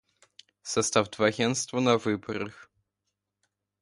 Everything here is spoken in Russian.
Состав дворянства на выборах.